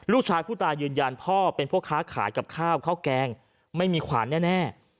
ลูกชายผู้ตายยืนยันพ่อเป็นพ่อค้าขายกับข้าวข้าวแกงไม่มีขวานแน่